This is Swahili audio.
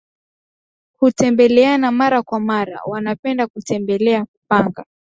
hutembeleana mara kwa mara Wanapenda kutembelea kupanga